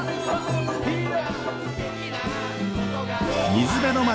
水辺の街